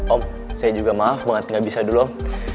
om saya juga maaf banget gak bisa dulu